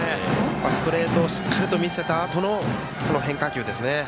ストレートをしっかりと見せたあとのこの変化球ですね。